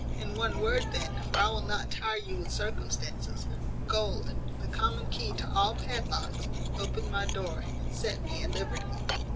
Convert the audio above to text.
In one word, then (for I will not tire you with circumstances), gold, the common key to all padlocks, opened my door, and set me at liberty.